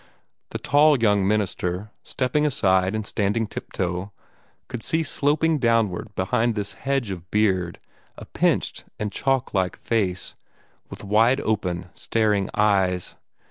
The tall young minister, stepping aside and standing tip toe, could see sloping downward behind this hedge of beard a pinched and chalk like face, with wide open, staring eyes.